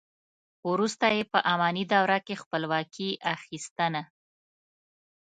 وروسته یې په اماني دوره کې خپلواکي اخیستنه.